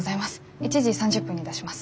１時３０分に出します。